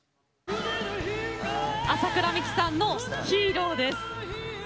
麻倉未稀さんの「ヒーロー」です。